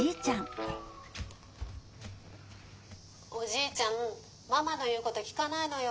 「おじいちゃんママの言うこと聞かないのよ。